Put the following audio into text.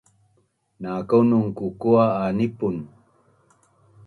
na konun kukua’ a nipun